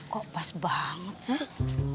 kok pas banget sih